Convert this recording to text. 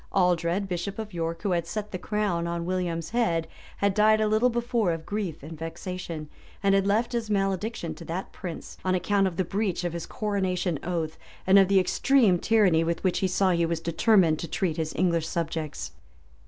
Aldred, archbishop of York, who had set the crown on William's head, had died a little before of grief and vexation, and had left his malediction to that prince, on account of the breach of his coronation oath, and of the extreme tyranny with which he saw he was determined to treat his English subjects.